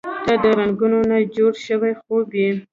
• ته د رنګونو نه جوړ شوی خوب یې.